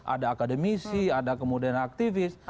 ada akademisi ada kemudian aktivis